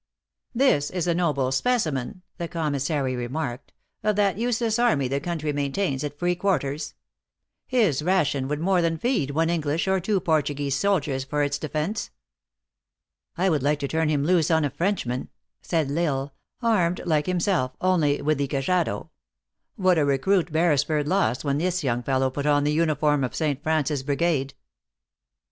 u This is a noble specimen," the commissary re marked, "of that useless army the country maintains at free quarters. His ration would more than feed one English or two Portuguese soldiers for its de fence." " I would like to turn him loose on a Frenchman," said L Isle, " armed, like himself, only with the ca jado. What a recruit Beresford lost when this young fellow put on the uniform of St. Francis brigade